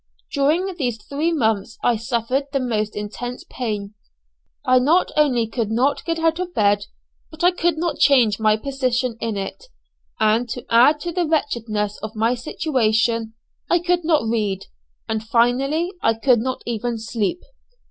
During these three months I suffered the most intense pain. I not only could not get out of bed, but I could not change my position in it; and, to add to the wretchedness of my situation, I could not read; and finally I could not even sleep.